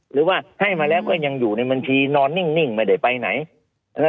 หรือว่าให้มาแล้วก็ยังอยู่ในบัญชีนอนนิ่งไม่ได้ไปไหน